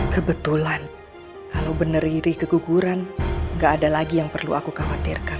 kebetulan kalau benar riri keguguran gak ada lagi yang perlu aku khawatirkan